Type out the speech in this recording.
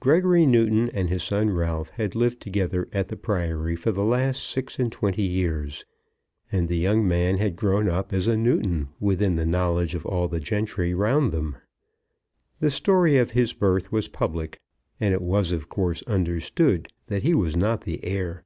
Gregory Newton and his son Ralph had lived together at the Priory for the last six and twenty years, and the young man had grown up as a Newton within the knowledge of all the gentry around them. The story of his birth was public, and it was of course understood that he was not the heir.